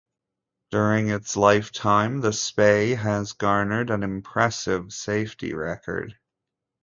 During its lifetime the Spey has garnered an impressive safety record.